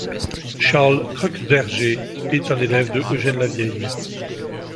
Charles Kreutzberger est un élève de Eugène Lavieille.